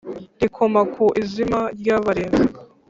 Rikoma ku izima ryabareze